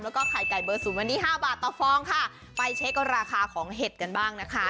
แล้วก็ไข่ไก่เบอร์ศูนย์วันนี้ห้าบาทต่อฟองค่ะไปเช็คราคาของเห็ดกันบ้างนะคะ